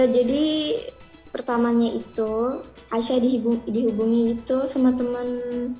jadi pertamanya itu aisyah dihubungi gitu sama teman